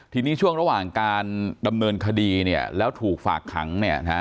ทีนี้ช่วงระหว่างการดำเนินคดีเนี่ยแล้วถูกฝากขัง